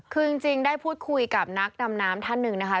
คือจริงได้พูดคุยกับนักดำน้ำท่านหนึ่งนะคะ